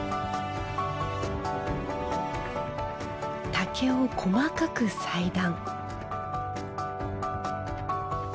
竹を細かく裁断。